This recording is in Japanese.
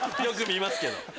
よく見ますけど。